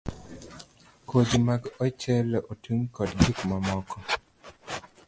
Kodhi mag ochele, otungi, kod gik mamoko